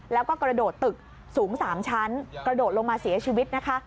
แล้วก็กระโดดตึกสูง๓ชั้นกระโดดลงมาเสียชีวิตนะคะ